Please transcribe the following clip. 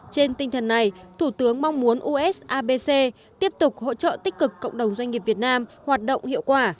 trên tinh thần này thủ tướng mong muốn usabc tiếp tục hỗ trợ tích cực cộng đồng doanh nghiệp việt nam hoạt động hiệu quả